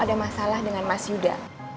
ada masalah dengan mas yuda